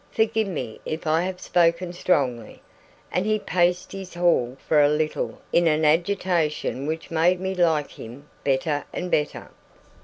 Forgive me if I have spoken strongly;" and he paced his hall for a little in an agitation which made me like him better and better.